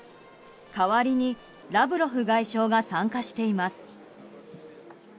代わりにラブロフ外相が参加しています。